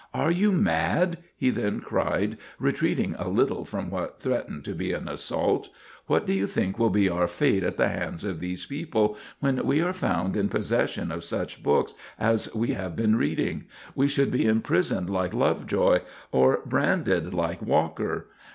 "Are you mad?" he then cried, retreating a little from what threatened to be an assault. "What do you think will be our fate at the hands of these people, when we are found in possession of such books as we have been reading? We should be imprisoned like Lovejoy, or branded like Walker.